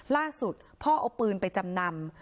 ล่าสุดพ่อเอาปืนไปจำนำ